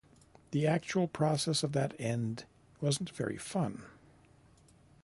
The actual process of that end wasn't very fun.